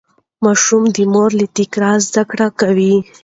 ماشوم د مور له تکرار زده کړه کوي.